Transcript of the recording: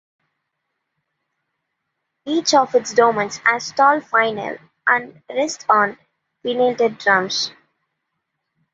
Each of its domes has tall finials and rest on crenelated drums.